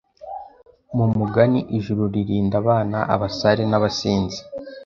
Mu mugani Ijuru ririnda abana abasare nabasinzi